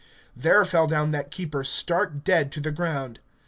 There fell down that keeper stark dead to the ground.